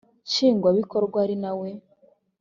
nshingwabikorwa ari na we